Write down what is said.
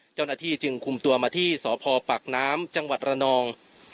เจ้าหน้าที่จึงคุมตัวมาที่สพปากน้ำจังหวัดระนอง